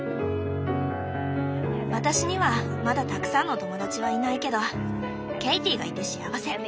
私にはまだたくさんの友だちはいないけどケイティがいて幸せ。